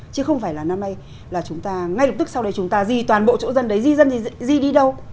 chứ không phải là năm nay là chúng ta ngay lập tức sau đấy chúng ta di toàn bộ chỗ dân đấy di dân di đi đâu